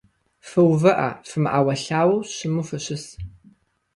Фыувыӏэ, фымыӏэуэлъауэу, щыму фыщыс.